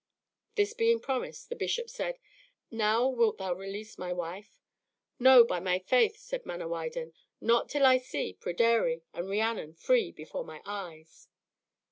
This being promised, the bishop said, "Now wilt thou release my wife?" "No, by my faith," said Manawydan, "not till I see Pryderi and Rhiannon free before my eyes."